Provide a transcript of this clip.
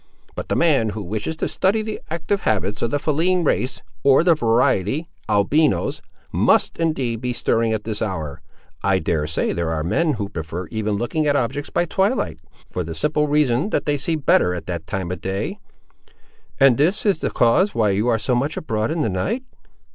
But the man who wishes to study the active habits of the feline race, or the variety, albinos, must, indeed, be stirring at this hour. I dare say, there are men who prefer even looking at objects by twilight, for the simple reason, that they see better at that time of the day." "And is this the cause why you are so much abroad in the night?"